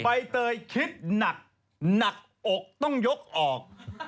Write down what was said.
ใบเตยคิดหนักหนักอกต้องยกออก